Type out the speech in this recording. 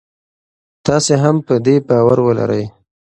تاسي هم په دې باور ولرئ.